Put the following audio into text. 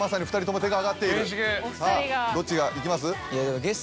さぁどっちがいきます？